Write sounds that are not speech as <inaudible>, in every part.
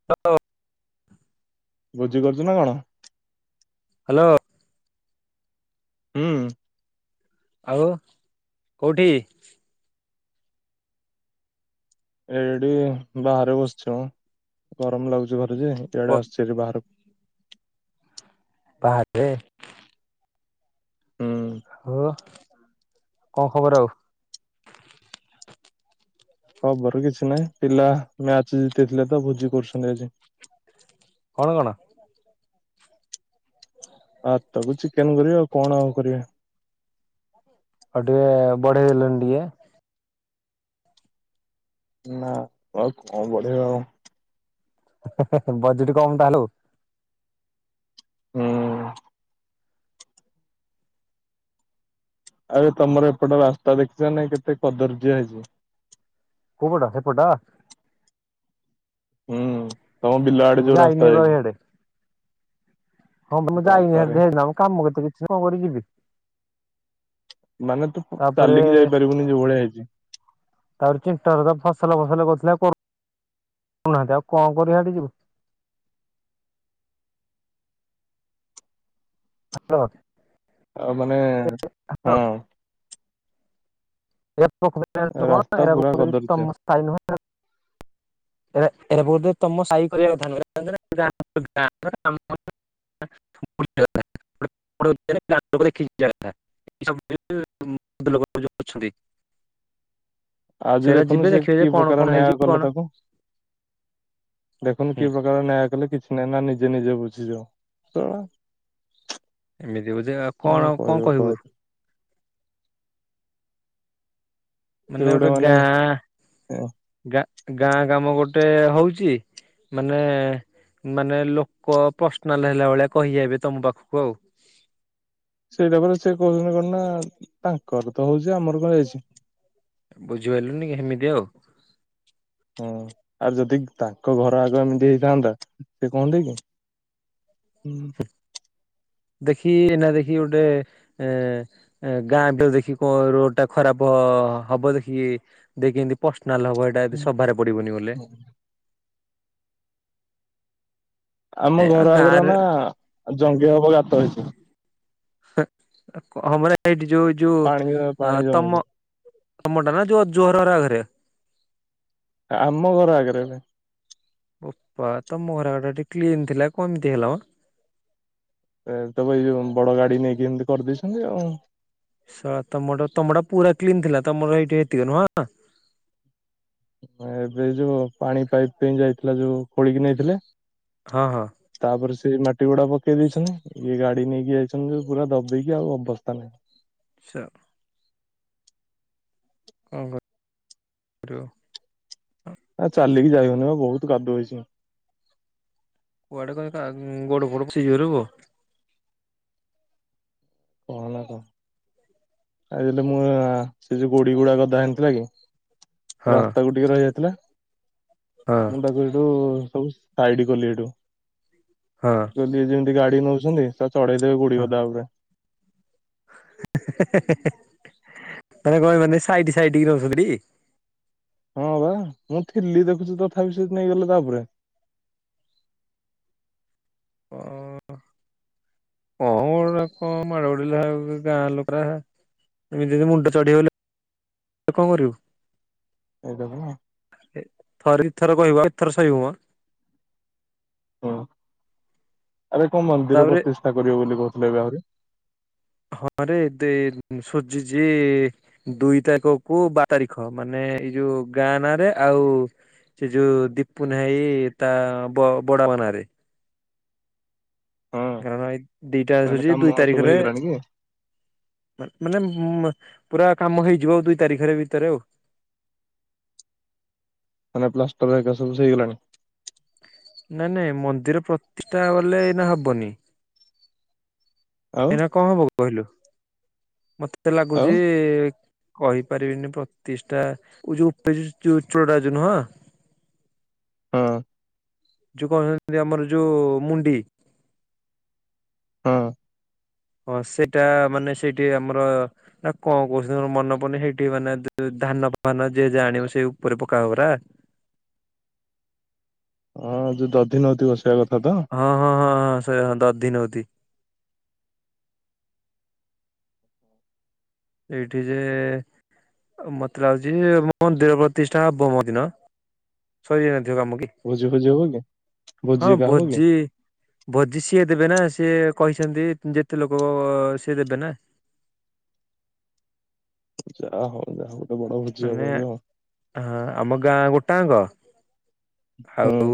<unintelligible> ବୁଝି ପାରୁଛୁନା କଣ? ହେଲୋ। ହୁଁ। ଆଉ କୋଉଠି? ଏଇଠି ବାହାରେ ବସିଛି ମ ଗରମ ଲାଗୁଛି ଘରେ ଯେ ଏଇ ଆଡ଼େ ଆସିଛି ବାହାରକୁ ବାହାରେ? ହୁଁ। ହଉ କଁ ଖବର ଆଉ? ଖବର କିଛି ନାହିଁ ପିଲା ମ୍ୟାଚ୍ ଜିତିଥିଲେ ତ ଭୋଜି କରୁଛନ୍ତି ଆଜି। କଣ କଣ? ଆଉ ତାକୁ ଚିକେନ୍ କରିବା ଆଉ କଣ ଆଉ କରିବେ। ଆଉ ଟିକେ ବଢ଼େଇ ହେଲଣି ଟିକେ ନା ଆଉ କଁ ପଢ଼େଇବ ଆଉ ହେ ହେ ହେ ହେ ବଜେଟ୍ କମ୍ ତାହେଲେ ଉ? ହୁଁ। ଆରେ ତମର ଏପଟ ରାସ୍ତା ଦେଖିଛ ନାଇଁ କେତେ କଦର୍ଯ୍ୟ ହେଇଛି। କୋଉ ପଟ ସେପଟ? ହୁଁ ତମ ବିଲ ଆଡେ଼ ମୁଁ ଯୋଉ ଯାଇନି ରାସ୍ତା ଏବେ ଯାଇଛି। ହିଆଡେ ହଁ ତ ମୁଁ ଯାଇନି ବାବାରେ। <unintelligible> କାମ କେତେ କିଛି କଣ କରି ଯିବି। ମାନେ ତୁ ତାପରେ ଚାଲିକି ଯାଇପାରିବୁନି ଯୋଉଭଳିଆ ହେଇଛି। ତାପରେ ଚିଣ୍ଟ ଘରତ ଫସଲ ଫସଲ କରୁଥିଲେ ଆଉ କରୁ ନାହାନ୍ତି ଆଉ କଣ କରିଆଡେ ଯିବୁ। ହ୍ୟାଲୋ। ଆଉ ମାନେ, ହଁ। ରାସ୍ତା ପୁରା କଦର୍ଯ୍ୟ <unintelligible> ଏରା ବୋଧେ ଏରା ତମ ସାଇ କରିବା କଥା ଗାଁ <unintelligible> <unintelligible> <unintelligible> ଅଛନ୍ତି। <inaudible> ଆଜି ସେରା ଦେଖୁନୁ ଯିବେ ସେ ଦେଖିବେ ଯେ କି କଣ ପ୍ରକାର କଣ ହେଇଛି ନ୍ୟାୟ କଲେ କଣ ତାକୁ। ଦେଖୁନୁ ହୁଁ କି ପ୍ରକାର ନ୍ୟାୟ କଲେ କିଛି ନେନା ନିଜେ ନିଜେ ବୁଝିଆଜ ଶଳା ଏମିତି ବୁଝେ କଣ ଆଉ କହିବ କଣ କହ କହିବୁ। ତୁ। ମାନେ ଗୋଟେ ଗାଁ ଗାଁ ଗାଁ କାମ ଗୋଟେ ହଉଛି। ମାନେ ମାନେ ଲୋକ ପର୍ସନାଲ ହେଲା ଭଳିଆ କହି ଆଇବେ ତମ ପାଖକୁ ଆଉ। ସେଇଟା ପରେ ସେ କହୁଛନ୍ତି କଣ ନା ତାଙ୍କର ତ ହଉଛି ଆମର କଣ ଯାଇଛି। ବୁଝିପାରିଲୁନିକି ସେମିତି ଆଉ। ହଁ ଆଉ ଯଦି ତାଙ୍କ ଘର ଆଗ ଏମିତି ହେଇଥାନ୍ତା ସେ କହନ୍ତେ କି। ହୁଁ। ଦେଖି ଏନା ଦେଖି ଗୋଟେ ଏ ଏ ଗାଁ ତ ଦେଖି କଣ ରୋଡ଼ ଟା ଖରାପ ହବ ଦେଖି ଦେଖ କି ପର୍ସନାଲ ହବ ଏଇଟା ସଭାରେ ପଡ଼ିବନି ବୋଲେ। ଆମ ଏ ଆଉ ଘର ଆଗରେ ଗାଁରେ ନା ଜଙ୍ଗେ ହବ ଗାତ ହେଇଛି। ହେ ହଁ ମାନେ ସେଠି ଯୋ ଯୋଉ ପାଣି ପାଣି ଅ ଜମୁଛି। ତମ ତମଟା ନା ଯୋ ଜୋରରା ଧରିଆ। ଆମ ଘର ଆଗରେ ଏବେ। ଓପା ତମ ଘର ଆଗ ଟା ଟିକେ କ୍ଲିନ୍ ଥିଲା କଣ ଏମିତି ହେଲା ମ। ଏ ତମେ ଏଇ ଯୋଉ ବଡ଼ ଗାଡ଼ି ନେଇକି ଏମିତି କରିଦେଇଛନ୍ତି ଆଉ। ଶଳା ତମଟ ତମଟା ପୁରା କ୍ଲିନ୍ ଥିଲା ତମର ସେଇଠି ଏତିକ ନୁହଁ। ହଁ ଏବେ ଯୋଉ ପାଣି ପାଇପ୍ ପାଇଁ ଯାଇଥିଲା ଯୋଉ ଖୋଳିକି ନେଇଥିଲେ। ହଁ ହଁ। ତାପରେ ସେଇ ମାଟି ଗୁଡ଼ା ପକେଇ ଦେଇଛନ୍ତି। ଇଏ ଗାଡ଼ି ନେଇକି ଯାଇଛନ୍ତି ଯୋଉ ପୁରା ଦବେଇକି ଆଉ ଅବସ୍ଥା ନାହିଁ। ସା କଣ କରୁ ରୁ ଆ ଚାଲିକି ଯାଇହଉନି ବା ବହୁତ କାଦୁଅ ହେଇଛି। କୁଆଡେ କହିବା ଉଁ ଗୋଡ଼ ଫୋଡ଼ ଚିରୁ କହନା କ ଆଇରେ ମୁଁ ସେ ଯୋଉ ଗୋଡି ଗୁଡା ଗଦା ହେନଥିଲା କି ହଁ ରାସ୍ତାକୁ ଟିକେ ରହିଯାଇଥିଲା ହଁ। ମୁଁ ତାକୁ ସେଇଠୁ ସବୁ ସାଇଟି କଲି ହେଠୁ। ହଁ। ଇଏ ଯେମିତି ଗାଡ଼ି ନଉଚନ୍ତି ସ ଚଢ଼େଇ ଦେବେ ବୁଡ଼ି ଗଦାଉପରେ। ହେ -ହେ-ହେ ତମେ କହିବନି ସାଇଟି ସାଇଟି କି ରହୁଚନ୍ତି। ହଁ ବା ମୁଁ ଥିଲି ଦେଖୁଚି ତଥାପି ସେଉଠୁ ନେଇଗଲେ ତାପରେ। ଅଁ ହଁ ଗୋଟେ ହଁ ମାଡ଼ ଉଡିଲା ଆଉ ଗାଁ ଲୋକଟା ଏମିତି ଯଦି ମୁଣ୍ଡ ଚଢ଼ିବ ବେଲେ ତାକୁ କଣ କରିବୁ? <unintelligible> ଥରେ ଦିଥର କହିବ ଆଉ କେତେ ଥର ସହିବମ। ଆବେ କଣ ମନ୍ଦିର ତାପରେ ପ୍ରତିଷ୍ଠା କରିବ ବୋଲି କହୁଥିଲେ ଏବେ ଆହୁରି। ହଁରେ ଏତେ ସୁଜିଚି ଦୁଇ ତାରିଖକୁ ବାର ତାରିଖ ମାନେ ଏଇ ଯୋଉ ଗାଁ ନାଁ ରେ ଆଉ ସେ ଯୋଉ ଦୀପୁନୁ ଭାଇ ତା ବଡ଼ବାପା ନାରେ। ହଁ କରଣ ଏଇ ଦିଟା ମାନେ ସୁଜୁଚି କାମ ଦୁଇ ସବୁ ତାରିଖରେ ହେଇଗଲାଣି କି? ମା ମାନେ ଉମ୍ ପୁରା କାମ ହେଇଯିବ ଆଉ ଦୁଇ ତାରିଖରେ ଭିତରେ ଆଉ। ମାନେ ପ୍ଲାଷ୍ଟର ଏକା ସବୁ ହେଇଗଲାଣି? ନାଇଁ ନାଇଁ ମନ୍ଦିର ପ୍ରତିଷ୍ଠା ବଲେ ଏଇନା ହବନି। ଆଉ ଏଇଁନା କଣ ହବ କହିଲୁ ମତେ ଆଉ ଲାଗୁଚି କହିପାରିବିନି ପ୍ରତିଷ୍ଠା ଓ ଯୋଉ ଯୋଉ ଚୁଡାଜ ନୁହଁ <unintelligible> ହଁ। ଯୋଉ କହୁଚନ୍ତି ଆମର ଯୋଉ ମୁଣ୍ଡି ହଁ। ହଁ ସେଇଟା ମାନେ ସେଇଠି ଆମର ଏଟା କଁ କହୁଚନ୍ତି ମୋର ମନେ ପଡ଼ୁନି ସେଇଠି ମାନେ ଧାନ ଫାନ ଯିଏ ଯାହା ଜାଣିବ ସେଇ ଉପରେ ପକା ହବ ପରା। ହଁ ଯୋଉ ଦଧି ନଉଥିବ ବସେଇିବା କଥାତ? ହଁ ହଁ ହଁ ହଁ ସେଇ ଦଧିନଉତି। ଏଇଠି ଯେ ମତେ ଲାଗୁଚି ମୋ ମନ୍ଦିର ପ୍ରତିଷ୍ଠା ହବ ମୋ ଦିନ ସରିଯାଇନଥିବ କାମକି ଭୋଜି ଫୋଜି ହବ କି ହଁ ଏକା ହବ କି ଭୋଜି ଭୋଜି ସିଏ ଦେବେନା ସିଏ କହିଚନ୍ତି ଯେତେ ଲୋକ ସିଏ ଦେବେନା। ଯାହା ହଉ ଯାହାହଉ ଗୋଟେ ବଡ଼ ଭୋଜି ମାନେ ହବ ଏବେ ହଉ। ହଁ ଆମ ଗାଁ ଗୋଟାଆଙ୍କ ହୁଁ ଆଉ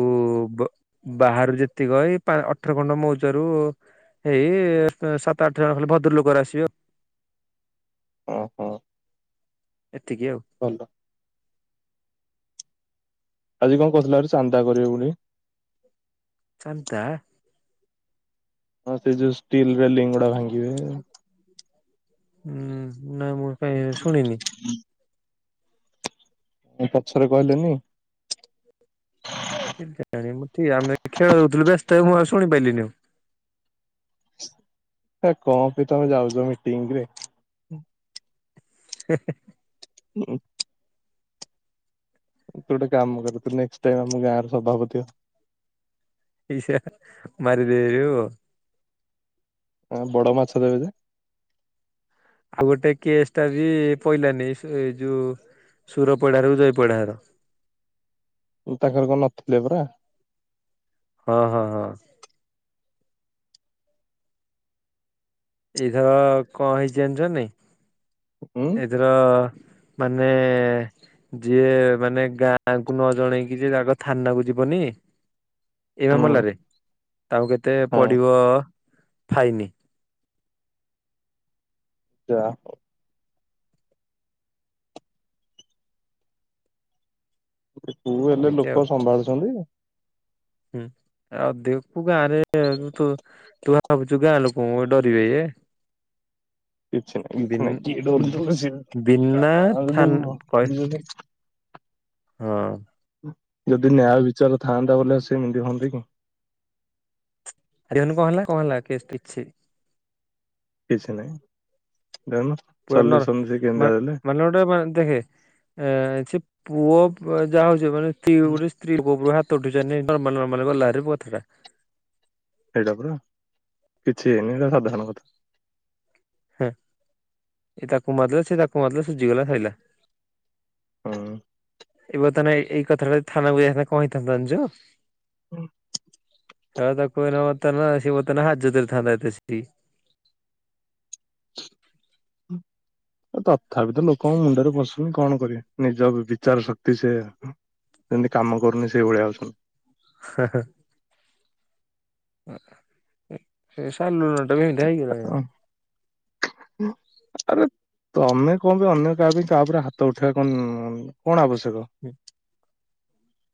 ବ ବାହାରୁ ଯେତିକ ଏଇ ପା ଅଠର ଖଣ୍ଡ ମଉଜାରୁ ଏଇ ସାତ ଆଠ ଜଣ ଖାଲି ଭଦ୍ର ଲୋକଅରା ଆସିବେ। ଓହୋ। ଏତିକି ଆଉ। ଭଲ। ଆଜି କଣ କଉଥିଲେ ଆଜି ଚାନ୍ଦା କରିବେ ବୋଲି? ଚାନ୍ଦା? ହଁ ସେଯୋଉ ଷ୍ଟିଲ ରିଲିଙ୍ଗ ଗୁଡ଼ା ଭାଙ୍ଗିବେ। ହୁଁ ନାଁ ମୁଁ କାଇଁ ଶୁଣିନି। ଆଁ ପଛରେ କହିଲେନି? କେଜାଣି ମୁଁ ଠିଆ ଖେଳ ଦଉଥିଲୁ ବ୍ୟସ୍ତରେ ମୁଁ ଆଉ ଶୁଣିପାରିଲିନି ଆଉ। ହେ କଣ ପାଇଁ ତମେ ଯାଉଚ ମିଟିଂରେ। ହେଃ ହୁଁ। ତୁ ଗୋଟେ କାମ କର ତୁ ନେକ୍ସଟାଇମ ଆମ ଗାଁରେ ସଭାପତି ହ। ଇାସା ମରିଦେରୁ‌- <inaudible> ହ ବଡ ମାଛ ଦେବେ ଯେ। ଆଉ ଗୋଟେ କେସ୍ ଟା ବି ପହିଲାନି ଏଇ ଯୋଉ ସୁରପଡା ର ଜୟପଡା ଘର। ତାଙ୍କର କଣ ନଥିଲେ ପରା! ହଁ ହଁ ହଁ। ଏଇଥରକ କଣ ହେଇଛି ଜାଣିଛୁନା ନାଇଁ ହୁଁ ଏଥରକ- ମାନେ! ଯିଏ ମାନେ ଗାଁକୁ ନ ଜଣେଇକି ଯିଏ ଆଗ ଥାନା କୁ ଯିବନି ଏ ହୁଁ ମାମଲାରେ ତାଙ୍କୁ କେତେ ହଁ ପଡିବ ଫାଇନି? ଯାହା ହଉ। ତୁ ହେଲେ ଏମିତି ଆଉ। ଲୋକ ସମ୍ଭାଳୁଛନ୍ତି। ହୁଁ ଆଉ ଦେଖୁ ଗାଁ ରେ ତୁ ଭାବୁଛୁ ଗାଁ ଲୋକଙ୍କୁ ଡରିବେ ଇଏ। ବିନ୍ ବିନା ଥାନ କହି <unintelligible> ହଁ। ଯଦି ନ୍ୟାୟ ବିଚାର ଥାଆନ୍ତା ବଲେ ସେ ଏମିତି ହୁଅନ୍ତେ କି? <unintelligible> କିଛି ନହିଁ ଯାଉନୁ। <unintelligible> ହଁ ସେ ପୁଅ ଯାହା ହଉଛି ମାନେ ସ୍ତ୍ରୀ ଗୋଟେ ସ୍ତ୍ରୀ ବୁହା ତୋଟୁ ନର୍ମାଲ ନର୍ମାଲ ଗଲାରେ ପଥଟା। ସେଇଟା ପୁରା କିିଛି ହେଇନି ଏଇଟା ସାଧାରଣ କଥା। ହଁ ଏଇ ତାକୁ ମାରିଦଉଚି ସେ ତାକୁ ମାରିଦଉଚି ସୁଝିଗଲା ସଇଲା। ହଁ। ଏ ବର୍ତ୍ତମାନ ଏଇ କଥାଟା ଥାନାକୁ ଯାଇଥାନ୍ତା କ ହେଇଥନ୍ତା ଜାଣିଚୁ। <unintelligible> ତଥାପି ତ ଲୋକଙ୍କ ମୁଣ୍ଡରେ ପସ ସେ କଣ କରିବେ ନିଜ ବିଚାର ଶକ୍ତି ସେ ଯେମିତି କାମ କରୁନି ସେଇଭଳିଆ। <unintelligible> <unintelligible> <unintelligible> ତମେ କଣ ବି ଅନ୍ୟ କାହା ପାଇଁ ତାପରେ ହାତ ଉଠେଇବା କ କଣ ଆବଶ୍ୟକ? ହୁଁ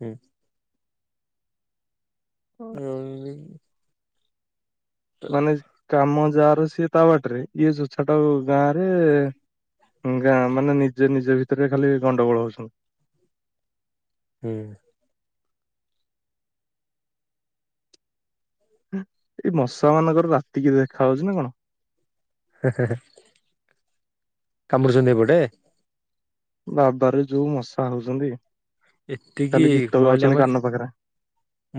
ହୁଁ। ହୁଁ। ମାନେ କାମ ଯା ର ସିଏ ତା ବାଟରେ ଇଏ ତୁ ଛାଟା କୁ ଗାଁ ରେ ଗାଁ ମାନେ ନିଜେ ନିଜ ଭିତରେ ଖାଲି ଗଣ୍ଡଗୋଳ ହଉଛନ୍ତି। ହୁଁ। ଏଇ ମଶା ମାନଙ୍କର ରାତି କି ଦେଖା ହାଉଛି ନା କଣ? ହେଁହେଁହେଁ। କାମୁରୁଛନ୍ତି ଏପଟେ ବାବାରେ ଯୋଉ ମଶା ହଉଛନ୍ତି ଏତିକି ଖାଲି ଗୀତ ଗାଉଛନ୍ତି କାନ ପାଖରେ।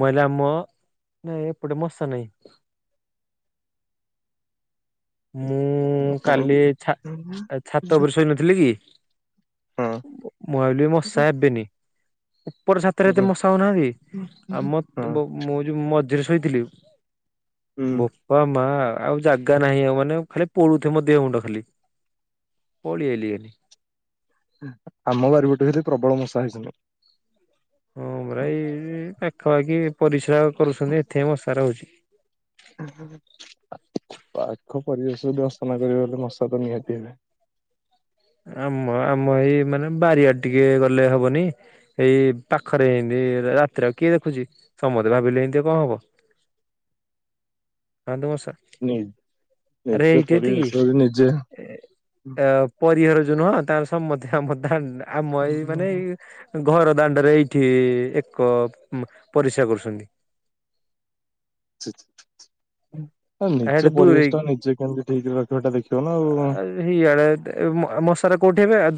ମହିଲ ଆମ ନାଇଁ ଏପଟେ ମଶା ନହିଁ। ମୁଁ ହଁ କାଲି ଛାତ ଉପରେ ଶୋଇନଥିଲି କି? ମୁଁ ଭାବିଲି ହୁଁ। ମସା ହେବେନି। ଉପର ଛାତରେ ଏତେ ହଁ ମଶାହଉନାହାନ୍ତି ଆଉ ମ ବ ମୁଁ ମୁଁ ମଝିରେ ଶୋଇଥିଲି ହୁଁ ବୋପା ମା ଆଉ ଜାଗା ନାହିଁ ଆଉ ମାନେ ଖାଲି ପୋଡୁଥିବ ମୋ ଦେହ ମୁଣ୍ଡ ଖାଲି ପଳେଇ ଆଲି ବେଲି। ଆମ ବାରିପଟେ ବିରେ ପ୍ରବଳ ମଶା ହେଇଛନ୍ତି। ହଁପରା ଏଇ ପାଖପାଖି ପରିସ୍ରା କରୁଛନ୍ତି ଏଥିପାଇଁ ମଶା ରହୁଛି। ପାଖ ପରିବେଶ ଅସନା କରିବେ ତ ମଶାତ ନିହାତି ହେବେ। ଆମ ଆମ ଏଇ ମାନେ ବାରିଆଡେ ଟିକେ ଗଲେ ହବନି ଏଇ ପାଖରେ ଏମିତି ରାତିରେ କିଏ ଦେଖୁଛି ସମସ୍ତେ ଭାବିଲେ ଏମତି କଣ ହବ? ଖାନ୍ତୁ ମଶା। ନି ନିଜ ପରିବେଶ କୁ ନିଜେ ଏ ପରିହର ଯୋଉ ନୁହଁ ତାଙ୍କର ସମତେ ଆମ ଦା ଆମ ଏଇ ମାନେ ଘର ଦାଣ୍ଡରେ ଏଇଠି ଏକ ପରିସ୍ରା କରୁଛନ୍ତି। ଆ ନିଜ ହେଟା ଦୂରେଇ ପରିବେଶ ଟା ନିଜେ କେମିତି ଠିକରେ ରଖିବ ହେଟା ଦେଖିବ ନା ଆଉ। ଇଆଡେ ମଶାରା କୋଉଠି ହେବେ ଆଉ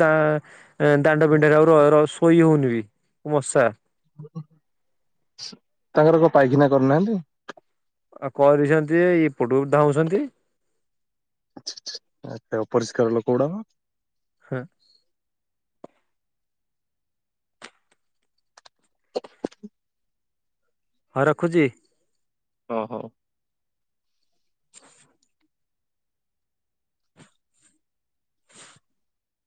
ଦାଣ୍ଡ ପିଣ୍ଡା ରେ ଆଉ ଶୋଇ ହଉନି ବି ମଶା ତାଙ୍କର କଣ ପାଇଖିନା କରିନାହାନ୍ତି? କରିଛନ୍ତିଯେ ଏପଟକୁ ଧାଉଁଛନ୍ତି। ଛିଃ ଛିଃ ଏତେ ଅପରିଷ୍କାର ଲୋକ ଗୁଡାକ। ହଁ। <inaudible> ହଉ ରଖୁଚି। ହଁ ହଉ। <inaudible>